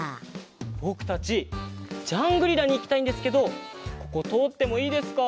ぼくたちジャングリラにいきたいんですけどこことおってもいいですか？